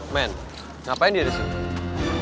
men ngapain dia disini